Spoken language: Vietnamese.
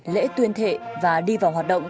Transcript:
lễ tuyên thệ và đi vào hoạt động